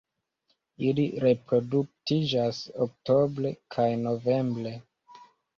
Ili reproduktiĝas oktobre kaj novembre.